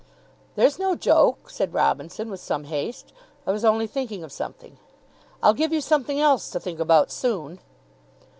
"There's no joke," said Robinson, with some haste. "I was only thinking of something." "I'll give you something else to think about soon."